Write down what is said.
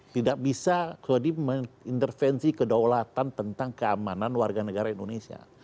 tidak bisa mengintervensi kedaulatan tentang keamanan warga negara indonesia